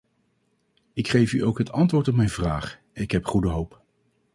Ik geef u ook het antwoord op mijn vraag: ik heb goede hoop.